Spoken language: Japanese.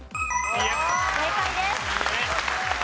正解です。